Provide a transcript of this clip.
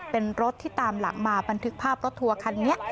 เป็นรถที่ตามหลังมาบันทึกภาพรถทัวร์คันนี้